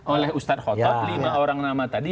oleh ustadz khotot lima orang nama tadi